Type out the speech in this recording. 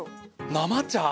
生茶！